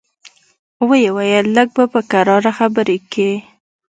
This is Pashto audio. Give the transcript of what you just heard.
ويې ويل لږ به په کراره خبرې کيې.